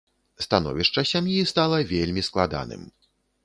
Становішча сям'і стала вельмі складаным.